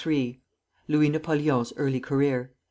LOUIS NAPOLEON'S EARLY CAREER.